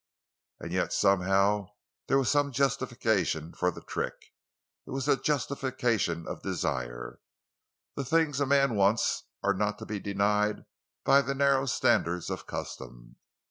And yet somehow there was some justification for the trick. It was the justification of desire. The things a man wants are not to be denied by the narrow standards of custom.